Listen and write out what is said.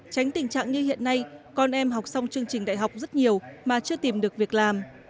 tránh tình trạng như hiện nay con em học xong chương trình đại học rất nhiều mà chưa tìm được việc làm